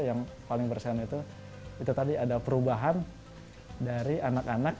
yang paling persen itu itu tadi ada perubahan dari anak anak